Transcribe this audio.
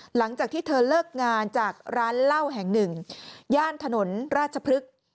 หลังจากที่เธอเลิกงานจากร้านเหล้าแห่งหนึ่งย่านถนนราชพฤกษ์